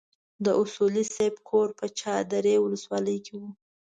د اصولي صیب کور په چار درې ولسوالۍ کې وو.